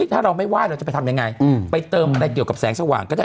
ถ้าเราไม่ไห้เราจะไปทำยังไงไปเติมอะไรเกี่ยวกับแสงสว่างก็ได้